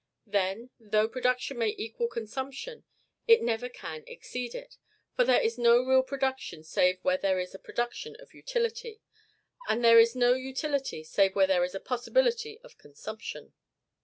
Then, though production may equal consumption, it never can exceed it; for there is no real production save where there is a production of utility, and there is no utility save where there is a possibility of consumption.